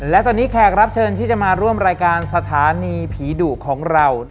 และตอนนี้แขกรับเชิญที่จะมาร่วมรายการสถานีผีดุของเรา